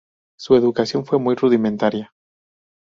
Su educación fue muy rudimentaria.